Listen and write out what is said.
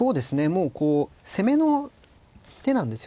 もうこう攻めの手なんですよね